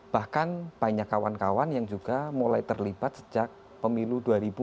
bahkan banyak kawan kawan yang juga mulai terlibat sejak pemilu dua ribu empat belas